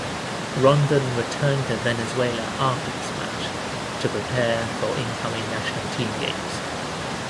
Rondon returned to Venezuela after this match to prepare for incoming national team games.